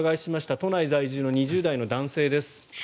都内在住の２０代の男性です。